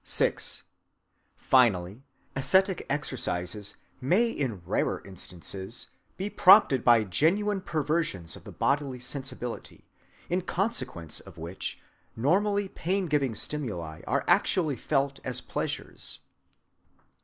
6. Finally, ascetic exercises may in rarer instances be prompted by genuine perversions of the bodily sensibility, in consequence of which normally pain‐giving stimuli are actually felt as pleasures.